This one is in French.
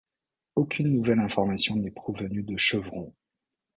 Aucune nouvelle information n'est provenue de Chevron.